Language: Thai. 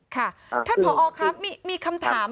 ค่ะท่านผอครับมีคำถาม